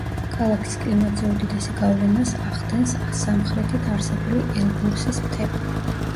ქალაქის კლიმატზე უდიდესი გავლენას ახდენს სამხრეთით არსებული ელბურსის მთები.